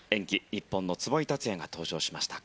日本の壷井達也が登場しました。